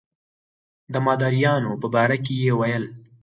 د مداریانو په باره کې یې ویل.